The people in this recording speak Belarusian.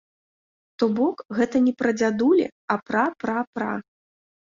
То бок гэта не прадзядулі, а пра-пра-пра.